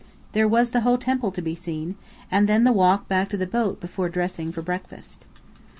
There was the whole temple to be seen, and then the walk back to the boat before dressing for breakfast.